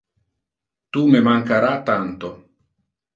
Tu me mancara tanto.